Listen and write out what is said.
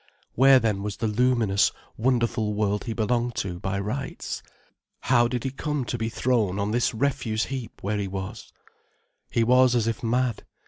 Where then was the luminous, wonderful world he belonged to by rights? How did he come to be thrown on this refuse heap where he was? He was as if mad.